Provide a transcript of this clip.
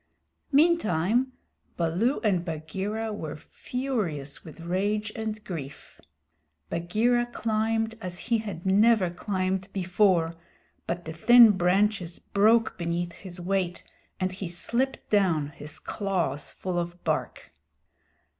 Meantime, Baloo and Bagheera were furious with rage and grief. Bagheera climbed as he had never climbed before, but the thin branches broke beneath his weight, and he slipped down, his claws full of bark.